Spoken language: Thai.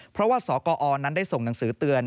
เพราะว่าสกอนั้นได้ส่งหนังสือเตือน